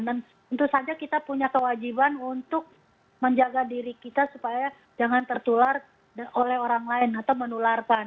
dan tentu saja kita punya kewajiban untuk menjaga diri kita supaya jangan tertular oleh orang lain atau menularkan